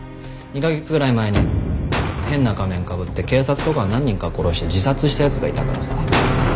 ２カ月ぐらい前に変な仮面かぶって警察とか何人か殺して自殺した奴がいたからさ。